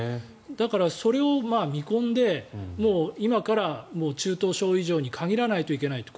だから、それを見込んで今から中等症以上に限らないといけないと。